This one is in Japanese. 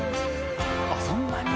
あっそんなに。